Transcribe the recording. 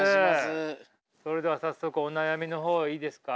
それでは早速お悩みの方いいですか？